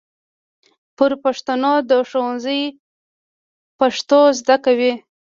بر پښتون د ښوونځي پښتو زده کوي.